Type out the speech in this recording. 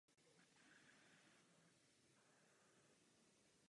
Společnost obdržela Bavorskou cenu kvality.